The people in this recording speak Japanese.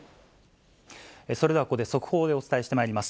それではここで速報でお伝えしてまいります。